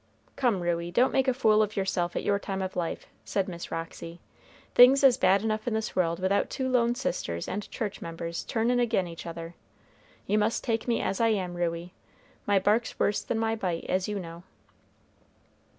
"Come, Ruey, don't make a fool of yourself at your time of life," said Miss Roxy. "Things is bad enough in this world without two lone sisters and church members turnin' agin each other. You must take me as I am, Ruey; my bark's worse than my bite, as you know."